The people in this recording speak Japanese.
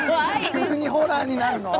急にホラーになるの？